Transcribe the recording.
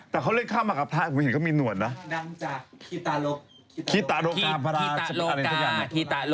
แต่เขาเล่นข้ามมากับพระผมเห็นเขามีหนวดนะ